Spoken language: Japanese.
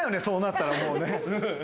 そうなったらもうね。